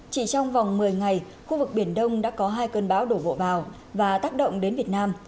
chỉ trong vòng một mươi ngày khu vực biển đông đã có hai cơn bão đổ bộ vào và tác động đến việt nam